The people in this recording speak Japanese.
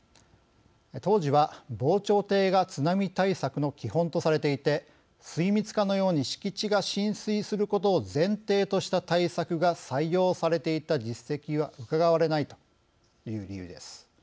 当時は防潮堤が津波対策の基本とされていて水密化のように敷地が浸水することを前提とした対策が採用されていた実績はうかがわれないという理由です。